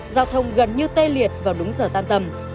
giao thông gần như tê liệt vào đúng giờ tan tầm